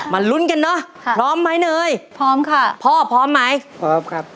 ลุ้นกันเนอะค่ะพร้อมไหมเนยพร้อมค่ะพ่อพร้อมไหมพร้อมครับ